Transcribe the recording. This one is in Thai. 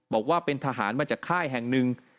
บอกว่าเป็นทหารมาจากค่ายแห่งหนึ่ง